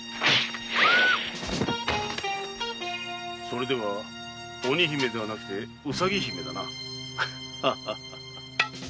それでは鬼姫ではなくて兎姫だな。